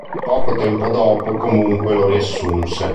Poco tempo dopo, comunque, lo riassunse.